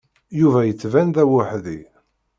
Yuba yettban d aweḥdi.